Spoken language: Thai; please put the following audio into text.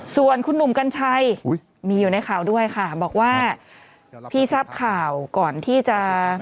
ส่วนคุณหนุ่มกัญชัยมีอยู่ในข่าวด้วยค่ะบอกว่าพี่ทราบข่าวก่อนที่จะ